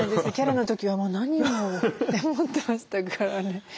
伽羅の時はもう何言おうって思ってましたからね。